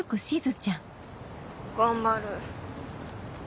頑張る。